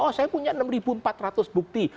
oh saya punya enam empat ratus bukti